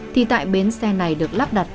thì tại bến xe này được lắp đặt